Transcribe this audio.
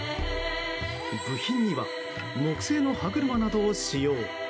部品には木製の歯車などを使用。